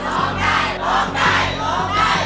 มาฟังอินโทรเพลงที่๑๐